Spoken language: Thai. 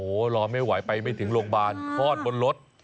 โอ้โหรอไม่ไหวไปไม่ถึงโรงพยาบาลคลอดบนรถ